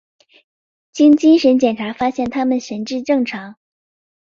经精神检查发现他们神智正常。